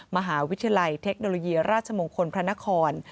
มหาวิทยาลัยเทคโนโลยีราชมงคลพระนคร